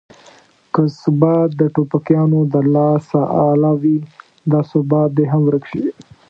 که ثبات د ټوپکیانو د لاس اله وي دا ثبات دې هم ورک شي.